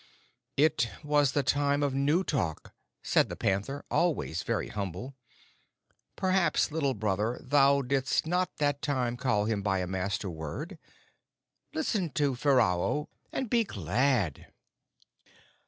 "It was the Time of New Talk," said the panther, always very humble. "Perhaps, Little Brother, thou didst not that time call him by a Master word? Listen to Ferao, and be glad!"